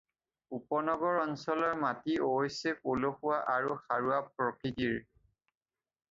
উপনগৰ অঞ্চলৰ মাটি অৱশ্যে পলসুৱা আৰু সাৰুৱা প্ৰকৃতিৰ।